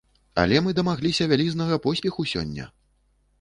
Але мы дамагліся вялізнага поспеху сёння!